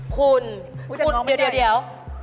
คุณเดี๋ยว